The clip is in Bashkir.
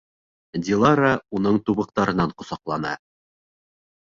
- Дилара уның тубыҡтарынан ҡосаҡланы.